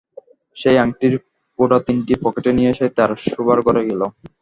সেই আংটির কৌটা তিনটি পকেটে নিয়ে সে তার শোবার ঘরে গেল।